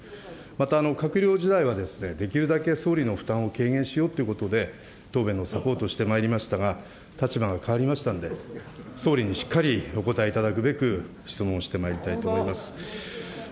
また、閣僚時代はできるだけ総理の負担を軽減しようってことで、答弁のサポートをしてまいりましたが、立場が変わりましたんで、総理にしっかりお答えいただくべく、質問してまいりたいと思います。